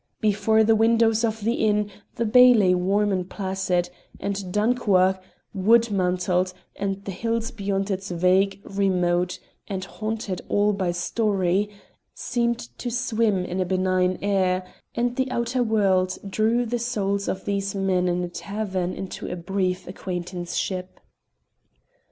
Before the windows of the inn the bay lay warm and placid, and Dunchuach, wood mantled, and the hills beyond it vague, remote, and haunted all by story, seemed to swim in a benign air, and the outer world drew the souls of these men in a tavern into a brief acquaintanceship.